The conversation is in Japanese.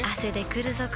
くるぞ？